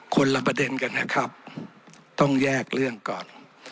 คนละประเด็นกันนะครับต้องแยกเรื่องก่อน